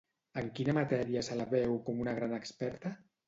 En quina matèria se la veu com una gran experta?